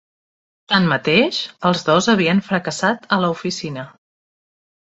Tanmateix, els dos havien fracassat a la oficina.